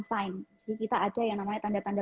sign jadi kita ada yang namanya tanda tanda